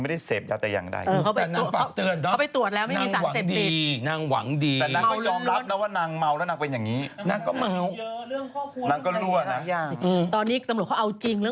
เป็นคนมีเงินเหรอเถอะ